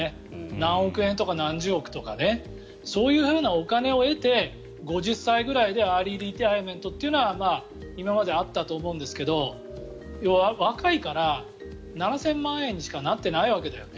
何億円とか何十億円とかそういうお金を得て５０歳ぐらいでアーリーリタイアメントというのは今まであったと思うんですけど若いから７０００万円にしかなってないわけだよね。